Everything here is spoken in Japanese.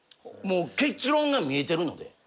もう結論が見えてるので。